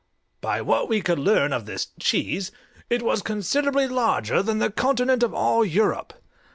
By what we could learn of this CHEESE, it was considerably larger than the continent of all Europe!